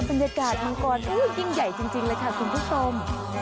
บรรยากาศมังกวนอื้อยิ่งใหญ่จริงจริงเลยค่ะคุณผู้ชม